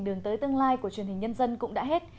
đường tới tương lai của truyền hình nhân dân cũng đã hết